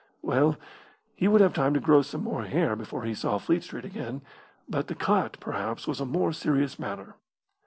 Well, he would have time to grow some more hair before he saw Fleet Street again. But the cut, perhaps, was a more serious matter.